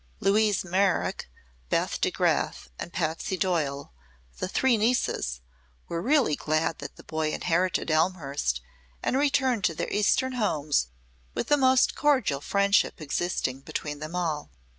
Louise Merrick, Beth DeGraf and Patsy Doyle, the three nieces, were really glad that the boy inherited Elmhurst, and returned to their eastern homes with the most cordial friendship existing between them all.